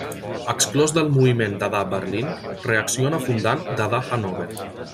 Exclòs del moviment dadà Berlín, reacciona fundant Dadà Hannover.